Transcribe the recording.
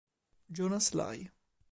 Jonas Lie